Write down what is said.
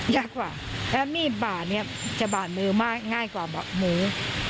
ยากกว่าแล้วมีดบ่าเนี่ยจะบ่ามือมากง่ายกว่าหมู